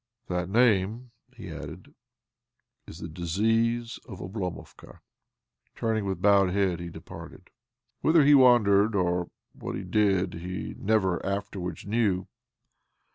"That name," he addfed, " is| 'The Disease of Oblomovka.' " Turning with bowed head, hie departed. Whither he wandered, or what he did, he never afterwards knew.